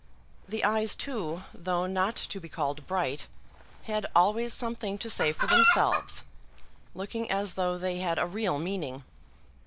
The eyes too, though not to be called bright, had always something to say for themselves, looking as though they had a real meaning.